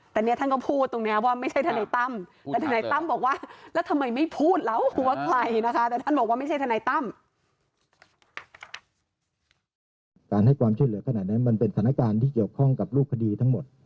แต่เนี่ยท่านก็พูดตรงนี้ว่าไม่ใช่ธนัยตั้ม